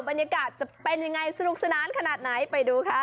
บรรยากาศจะเป็นยังไงสนุกสนานขนาดไหนไปดูค่ะ